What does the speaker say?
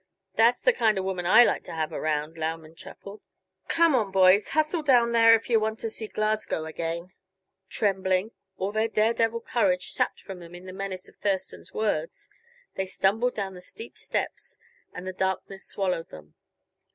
"That's the kind uh woman I like to have around," Lauman chuckled. "Come on, boys; hustle down there if yuh want to see Glasgow again." Trembling, all their dare devil courage sapped from them by the menace of Thurston's words, they stumbled down the steep stairs, and the darkness swallowed them.